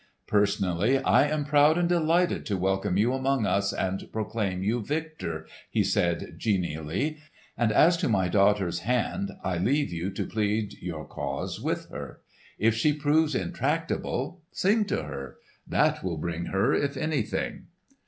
"Personally, I am proud and delighted to welcome you among us and proclaim you victor," he said, genially, "and as to my daughter's hand, I leave you to plead your cause with her. If she proves intractable—sing to her. That will win her if anything!"